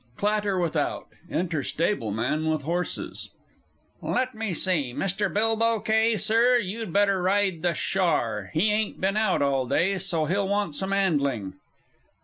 (Clatter without; enter Stablemen with horses.) Let me see Mr. Bilbow Kay, Sir, you'd better ride the Shar; he ain't been out all day, so he'll want some 'andling.